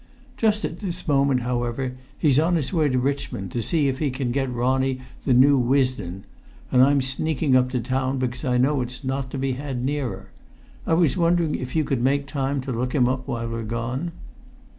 Just at this moment, however, he's on his way to Richmond to see if he can get Ronnie the new Wisden; and I'm sneaking up to town because I know it's not to be had nearer. I was wondering if you could make time to look him up while we're gone?"